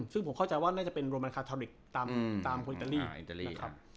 ซึ่งผมเข้าใจว่าน่าจะเป็นโรแมนคาทอลิกตามคนอิตาลี